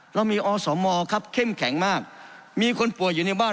เรามีอสมครับเข้มแข็งมากมีคนป่วยอยู่ในบ้าน